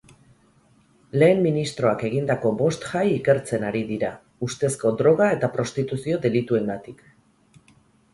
Lehen ministroak egindako bost jai ikertzen ari dira ustezko droga eta prostituzio delituengatik.